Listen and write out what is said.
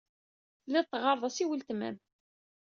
Telliḍ teɣɣareḍ-as i weltma-m.